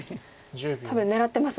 多分狙ってますね。